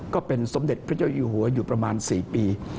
สมเด็จพระเจ้าอยู่หัวอยู่ประมาณ๔ปี